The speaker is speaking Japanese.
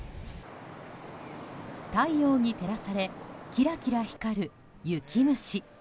太陽に照らされきらきら光る雪虫。